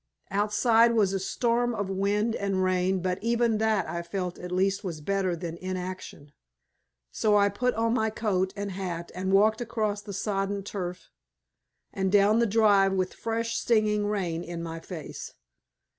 Outside was a storm of wind and rain but even that I felt at last was better than inaction; so I put on my coat and hat and walked across the soddened turf and down the drive with the fresh, stinging rain in my face.